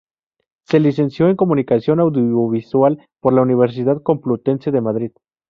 Se licenció en Comunicación Audiovisual por la Universidad Complutense de Madrid.